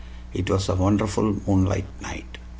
It was a wonderful moonlight night.